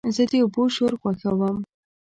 زه د اوبو شور خوښوم.